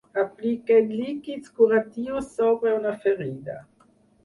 Apliquen líquids curatius sobre una ferida.